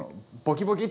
ボキボキ